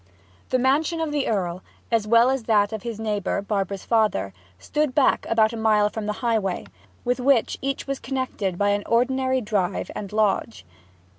The mansion of the Earl, as well as that of his neighbour, Barbara's father, stood back about a mile from the highway, with which each was connected by an ordinary drive and lodge.